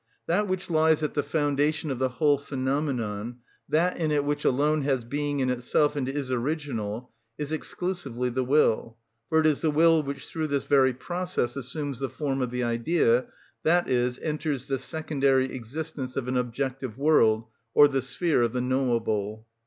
That which lies at the foundation of the whole phenomenon, that in it which alone has being in itself and is original, is exclusively the will; for it is the will which through this very process assumes the form of the idea, i.e., enters the secondary existence of an objective world, or the sphere of the knowable.